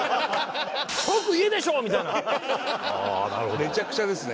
めちゃくちゃですね。